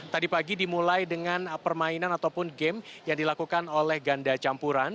tadi pagi dimulai dengan permainan ataupun game yang dilakukan oleh ganda campuran